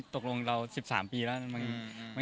ตกลงเรา๑๓ปีแล้ว